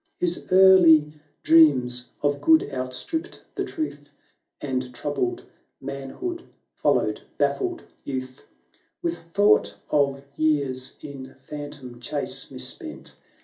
His early dreams of good outstripped the truth, And troubled Manhood followed baflQed Youth; With thought of years in phantom chase misspent.